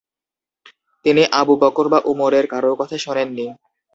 তিনি আবু বকর বা উমরের কারও কথা শোনেন নি।